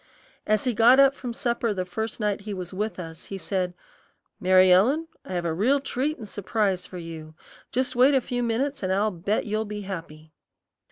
As he got up from supper the first night he was with us, he said, "Mary Ellen, I have a real treat and surprise for you. Just wait a few minutes, an' I'll bet you'll be happy."